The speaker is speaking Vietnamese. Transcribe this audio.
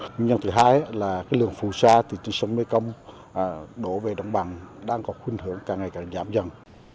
nguyên nhân thứ hai là lường phù sa từ sông mê công đổ về đồng bằng đang có khuyến hưởng càng ngày càng giảm dần